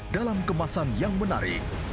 dalam kemasan yang menarik